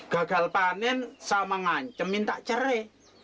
gagal panen sama ngancemin tak cere